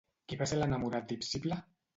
Qui va ser l'enamorat d'Hipsíple?